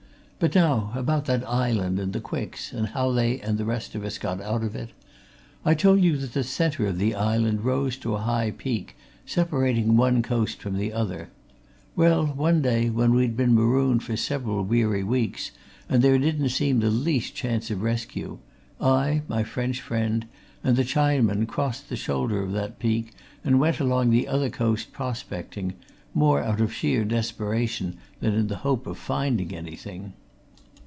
But now about that island and the Quicks, and how they and the rest of us got out of it. I told you that the centre of this island rose to a high peak, separating one coast from the other well, one day, when we'd been marooned for several weary weeks and there didn't seem the least chance of rescue, I, my French friend, and the Chinaman crossed the shoulder of that peak and went along the other coast, prospecting more out of sheer desperation than in the hope of finding anything.